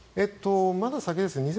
まだ先です。